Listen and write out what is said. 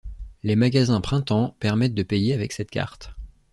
Les magasins Printemps permettent de payer avec cette carte.